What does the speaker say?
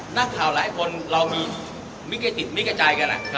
นักข่าวหลายคนเรามีมิเกติดมิกระใจกัน